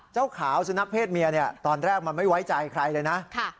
เจ้าขาวสุนัขเศษเมียตอนแรกมันไม่ไว้ใจใครเลยนะ